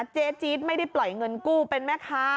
เจ๊จี๊ดไม่ได้ปล่อยเงินกู้เป็นไหมคะ